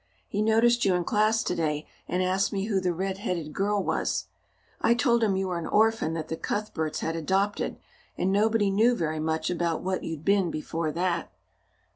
He noticed you in class today, and asked me who the red headed girl was. I told him you were an orphan that the Cuthberts had adopted, and nobody knew very much about what you'd been before that."